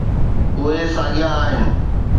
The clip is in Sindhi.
اهي ساڳيا آهن.